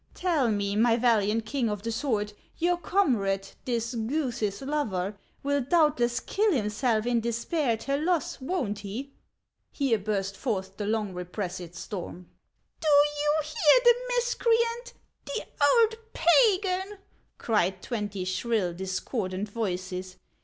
Tell me, my valiant king ui' the sword, your comrade, this Guth's lover, will doubtless kill himself in despair at her loss, won't he ?" Here burst forth the long repressed storm. "Do you hear the miscreant, — the old Pagan !" cried twenty shrill, discordant voices.